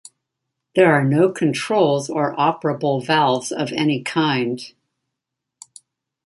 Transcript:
There are no controls or operable valves of any kind.